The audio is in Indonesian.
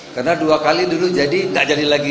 karena dua kali dulu jadi nggak jadi lagi